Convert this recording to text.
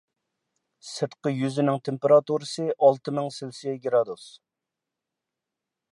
سىرتقى يۈزنىڭ تېمپېراتۇرىسى ئالتە مىڭ سېلسىيە گرادۇس.